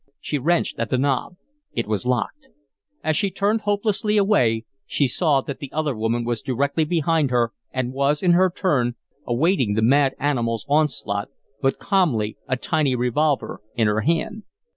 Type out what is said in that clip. She wrenched at the knob. It was locked. As she turned hopelessly away, she saw that the other woman was directly behind her, and was, in her turn, awaiting the mad animal's onslaught, but calmly, a tiny revolver in her hand.